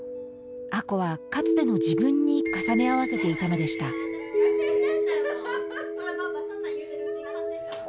亜子はかつての自分に重ね合わせていたのでしたしかし。